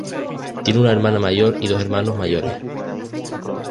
Tiene una hermana mayor y dos hermanos mayores.